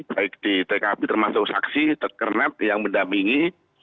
baik di tkp termasuk saksi ternet yang mendamingi